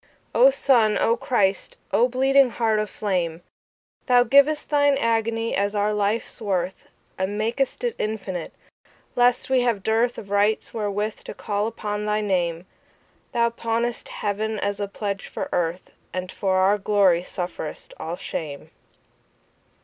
O Sun, O Christ, O bleeding Heart of flame! Thou giv'st Thine agony as our life's worth, And mak'st it infinite, lest we have dearthOf rights wherewith to call upon thy Name; Thou pawnest Heaven as a pledge for Earth, And for our glory sufferest all shame.